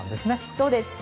そうです